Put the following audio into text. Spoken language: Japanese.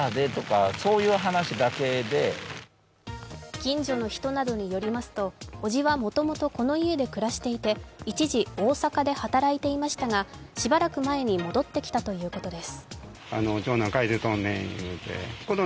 近所の人などによりますと、おじはもともとこの家で暮らしていて一時、大阪で働いていましたが、しばらく前に戻ってきたということです。